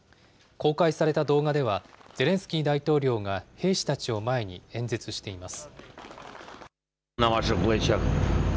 公開された動画では、ゼレンスキー大統領が兵士たちを前に演説しています。